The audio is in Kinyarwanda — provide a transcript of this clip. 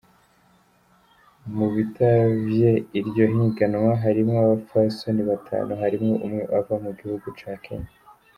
Mubitavye iryo higanwa harimwo abapfasoni batanu, harimwo umwe ava mu gihugu ca Kenya.